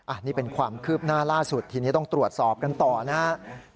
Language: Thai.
อันนี้เป็นความคืบหน้าล่าสุดทีนี้ต้องตรวจสอบกันต่อนะครับ